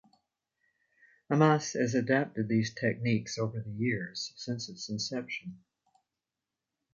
Hamas has adapted these techniques over the years since its inception.